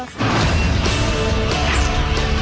อันนี้ทุกความรับ